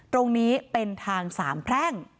ตรงนี้เป็นทางสามแพร่ง